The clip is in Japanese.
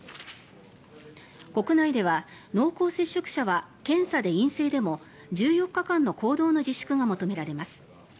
国内では濃厚接触者は検査で陰性でも１４日間の行動の自粛が求められます。